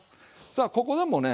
さあここでもね